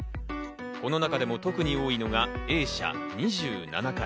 この中でも特に多いのがＡ社、２７回。